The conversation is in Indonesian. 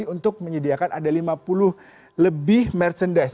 untuk menyediakan ada lima puluh lebih merchandise